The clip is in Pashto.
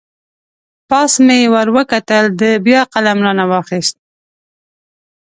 پاس مې ور وکتل، ده بیا قلم را نه واخست.